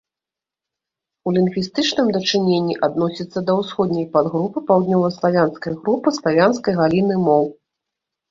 У лінгвістычным дачыненні адносіцца да ўсходняй падгрупы паўднёваславянскай групы славянскай галіны моў.